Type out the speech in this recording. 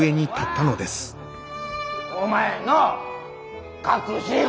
お前の隠し子。